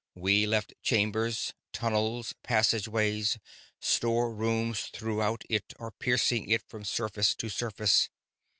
We left chambers, tunnels, passageways, storerooms throughout it or piercing it from surface to surface.